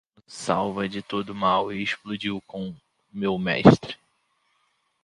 Deus nos salva de todo o mal e explodiu com meu mestre.